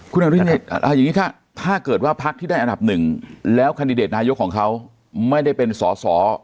คุณอนุทิศถ้าเกิดว่าพักที่ได้อันดับ๑แล้วคันดิเดตนายกของเขาไม่ได้เป็นศศ